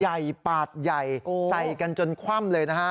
ปาดใหญ่ใส่กันจนคว่ำเลยนะฮะ